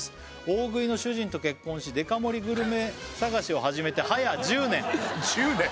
大食いの主人と結婚しデカ盛りグルメ探しを始めてはや１０年１０年！